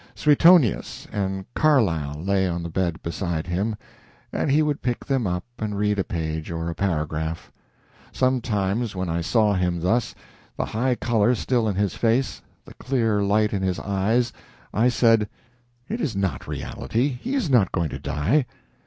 "Suetonius" and "Carlyle" lay on the bed beside him, and he would pick them up and read a page or a paragraph. Sometimes when I saw him thus the high color still in his face, the clear light in his eyes' I said: "It is not reality. He is not going to die."